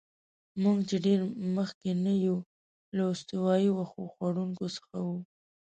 موږ چې ډېر مخکې نه یو، له استوایي وښو خوړونکو څخه وو.